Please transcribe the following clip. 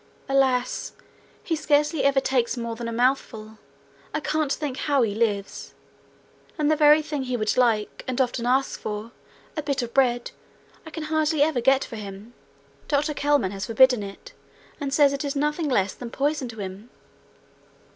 Alas! He scarcely ever takes more than a mouthful. I can't think how he lives! And the very thing he would like, and often asks for a bit of bread I can hardly ever get for him: Dr Kelman has forbidden it, and says it is nothing less than poison to him.'